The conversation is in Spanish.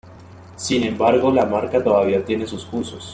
Sin embargo, la marca todavía tiene sus usos.